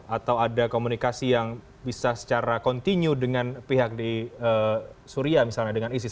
atau ada komunikasi yang bisa secara kontinu dengan pihak di suria misalnya dengan isis